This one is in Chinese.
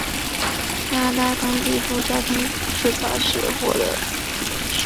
地拉那的当地交通工具主要是巴士或的士。